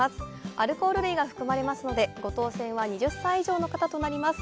アルコール類が含まれますので、ご当せんは２０歳以上の方となります。